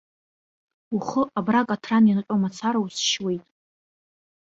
Ухы абра акаҭран ианҟьо мацара усшьуеит.